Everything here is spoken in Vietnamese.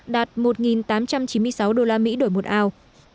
đạt một tám trăm chín mươi sáu usd đổi một ảo